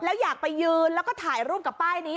แล้วอยากไปยืนแล้วก็ถ่ายรูปกับป้ายนี้